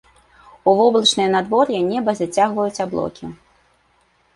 У воблачнае надвор'е неба зацягваюць аблокі.